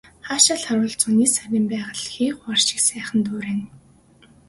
Хаашаа л харвал зуны сарын байгаль хээ хуар шиг сайхан дурайна.